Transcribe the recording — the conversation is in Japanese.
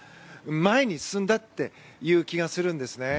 前に進んだという気がするんですね。